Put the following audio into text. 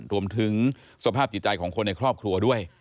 รวมถึงสภาพจิตใจของคนในครอบครัวด้วย